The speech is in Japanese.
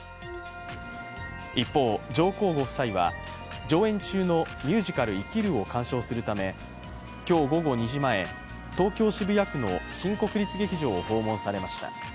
一方、上皇ご夫妻は上演中のミュージカル「生きる」を鑑賞するため今日午後２時前、東京・渋谷区の新国立劇場を訪問されました。